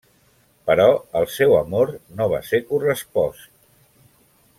Però el seu amor no va ser correspost.